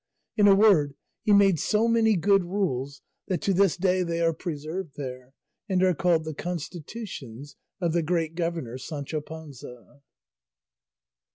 In a word, he made so many good rules that to this day they are preserved there, and are called The constitutions of the great governor Sancho Panza.